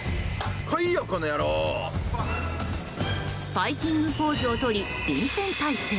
ファイティングポーズをとり臨戦態勢。